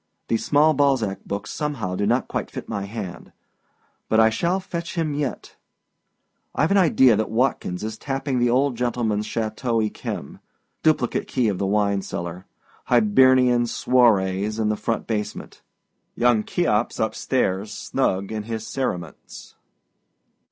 These small Balzac books somehow do not quite fit my hand; but I shall fetch him yet. Iâve an idea that Watkins is tapping the old gentlemanâs Chateau Yquem. Duplicate key of the wine cellar. Hibernian swarries in the front basement. Young Cheops up stairs, snug in his cerements.